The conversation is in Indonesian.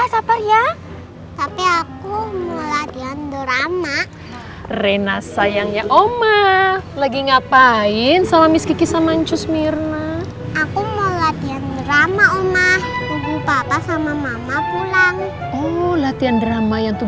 salam buat andin